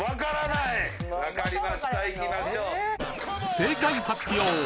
正解発表